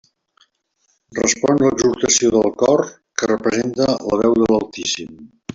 Respon l'exhortació del cor, que representa la veu de l'altíssim.